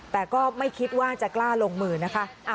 แต่ก็ไม่คิดว่าจะกล้าลงมือนะคะ